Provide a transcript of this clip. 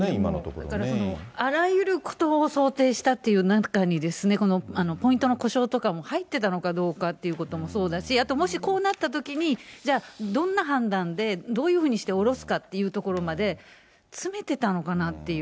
だから、あらゆることを想定したっていう中にこのポイントの故障とかも入ってたのかどうかということもそうだし、あともしこうなったときに、じゃあ、どんな判断で、どういうふうにして降ろすかというところまで詰めてたのかなっていう。